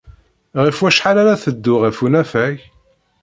Ɣef wacḥal ara teddu ɣer unafag?